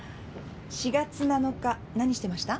４月７日何してました？